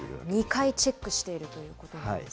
２回チェックしているということなんですね。